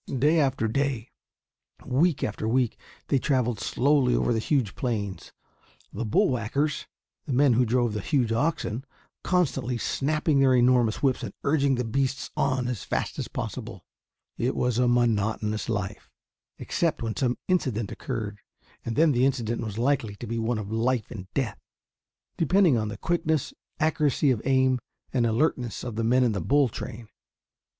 Day after day, week after week, they traveled slowly over the huge plains, the "bull whackers" the men who drove the huge oxen constantly snapping their enormous whips and urging the beasts on as fast as possible. It was a monotonous life, except when some incident occurred, and then the incident was likely to be one of life and death, depending on the quickness, accuracy of aim, and alertness of the men in the "bull train."